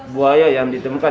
buaya yang ditemukan